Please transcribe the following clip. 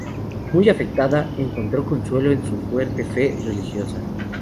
Muy afectada, encontró consuelo en su fuerte fe religiosa.